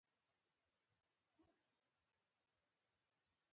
زموږ ورکې لارې او ادرسونه راته ښيي.